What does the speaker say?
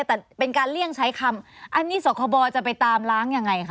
แต่เป็นการเลี่ยงใช้คำอันนี้สคบจะไปตามล้างยังไงคะ